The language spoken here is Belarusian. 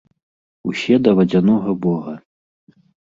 Усе да вадзянога бога.